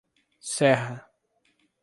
Serra